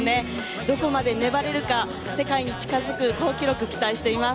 どこまで粘れるか、世界に近づく好記録、期待しています。